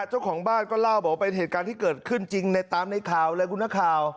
เจ้าของบ้านก็เล่าบอกว่าเป็นเหตุการณ์ที่เกิดขึ้นจริงในตามในข่าวเลยคุณนักข่าว